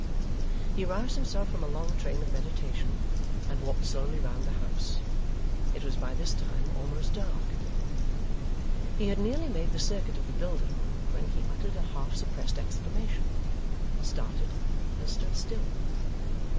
He roused himself from a long train of meditation, and walked slowly round the house. It was by this time almost dark. He had nearly made the circuit of the building, when he uttered a half suppressed exclamation, started, and stood still.